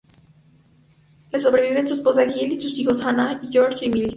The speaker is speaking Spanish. Le sobreviven su esposa Jill y sus hijos Hannah, George y Milly.